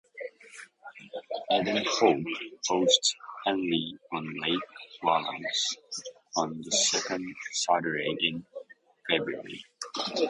Edenhope hosts Henley on Lake Wallace on the second Saturday in February.